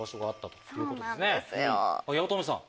八乙女さん